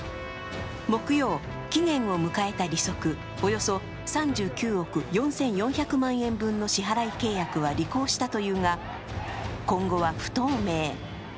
木曜、期限を迎えた利息およそ３９億４４００万円分の支払い契約は履行したというが、今後は不透明。